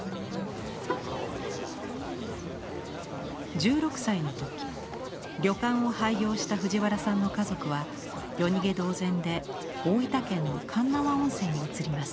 １６歳の時旅館を廃業した藤原さんの家族は夜逃げ同然で大分県の鉄輪温泉に移ります。